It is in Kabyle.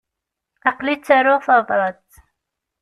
Aql-i ttaruɣ tabrat.